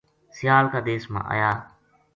سیال کا دیس ما آیا